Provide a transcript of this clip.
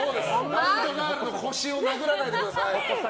ラウンドガールの腰を殴らないでください。